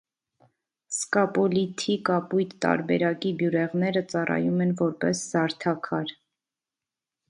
Սկապոլիթի կապույտ տարբերակի բյուրեղները ծառայում են որպես զարդաքար։